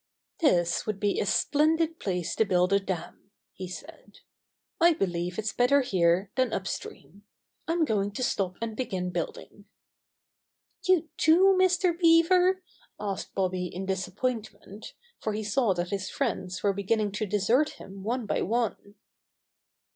"This would be a splendid place to build a dam," he said. "I believe it's better here than upstream. I'm going to stop and begin building." "You, too, Mr. Beaver?" asked Bobby in disappointment, for he saw that his friends were beginning to desert him one by one.